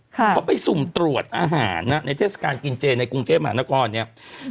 เพราะไปสุ่มตรวจอาหารในเทศกาลกินเจนในกรุงเทพฯหลังจากก้อนนี้